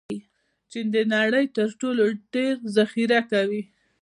چین د نړۍ تر ټولو ډېر ذخیره کوي.